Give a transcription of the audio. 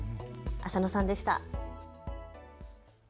浅野さんでした。